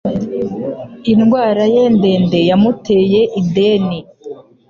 Indwara ye ndende yamuteye ideni